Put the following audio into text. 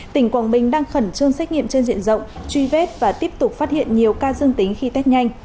tỉnh quảng bình đang khẩn trương xét nghiệm trên diện rộng truy vết và tiếp tục phát hiện nhiều ca dương tính khi test nhanh